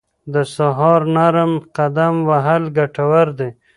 د سهار نرم قدم وهل ګټور دي.